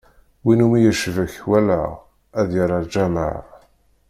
Win umi yecbek wallaɣ, ad yerr ar lǧameɛ.